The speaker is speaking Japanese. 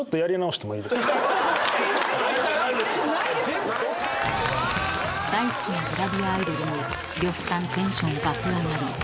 どっから⁉［大好きなグラビアアイドルに呂布さんテンション爆上がり］